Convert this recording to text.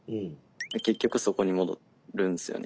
結局そこに戻るんですよね。